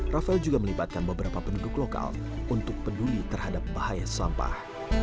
rafael juga melibatkan beberapa penduduk lokal untuk peduli terhadap bahaya sampah